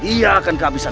dia akan kehabisan